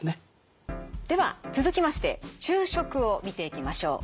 では続きまして昼食を見ていきましょう。